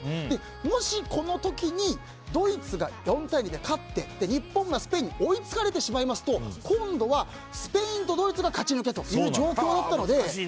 もしこの時にドイツが４対２で勝って日本がスペインに追いつかれてしまいますと今度は、スペインとドイツが勝ち抜けという状況だったので。